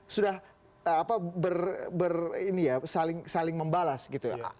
sudah saling membalas gitu ya